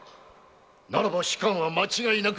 ならば仕官は間違いなくできる。